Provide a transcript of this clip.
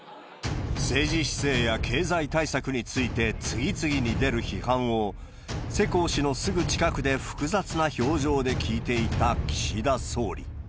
政治姿勢や経済対策について次々に出る批判を、世耕氏のすぐ近くで複雑な表情で聞いていた岸田総理。